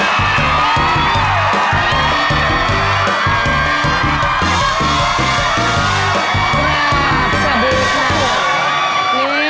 สวัสดีค่ะ